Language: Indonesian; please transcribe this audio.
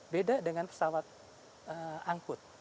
beda dengan pesawat angkut